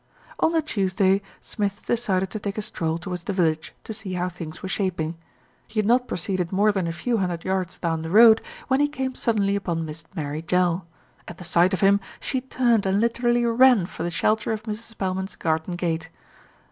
On the Tuesday, Smith decided to take a stroll to wards the village to see how things were shaping. He had not proceeded more than a few hundred yards down the road when he came suddenly upon Miss Mary Jell. At the sight of him, she turned and literally ran for the shelter of Mrs. Spelman's garden gate.